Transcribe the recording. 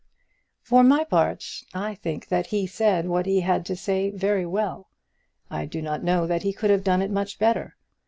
For my part I think that he said what he had to say very well. I do not know that he could have done it much better.